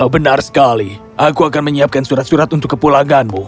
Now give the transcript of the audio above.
benar sekali aku akan menyiapkan surat surat untuk kepulanganmu